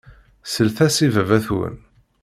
Sellet-as i baba-twen.